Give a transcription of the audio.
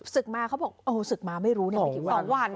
สึกมาเขาบอกสึกมาไม่รู้เนี่ย